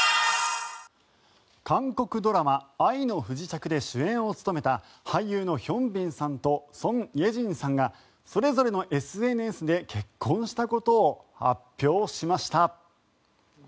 韓国ドラマ「愛の不時着」で主演を務めた俳優のヒョンビンさんとソン・イェジンさんがそれぞれのＳＮＳで結婚したことを発表しました。